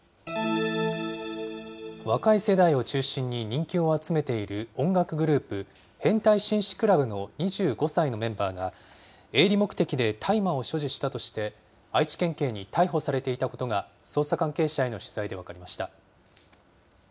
若い世代を中心に人気を集めている音楽グループ、変態紳士クラブの２５歳のメンバーが、営利目的で大麻を所持したとして、愛知県警に逮捕されていたことが捜査関係者への取材で分かりました。